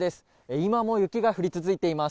今も雪が降り続いています。